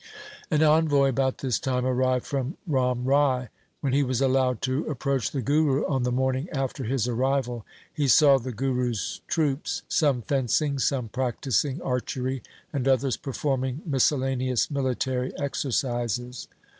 An envoy about this time arrived from Ram Rai. When he was allowed to approach the Guru on the morning after his arrival, he saw the Guru's troops — some fencing, some practising archery, and others performing miscellaneous military exercises.